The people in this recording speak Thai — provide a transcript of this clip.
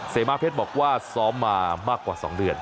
มาเพชรบอกว่าซ้อมมามากกว่า๒เดือน